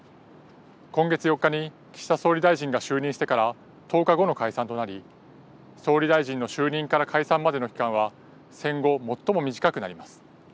今月４日に岸田総理大臣が就任してから１０日後の解散となり総理大臣の就任から解散までの期間は戦後、最も短くなります。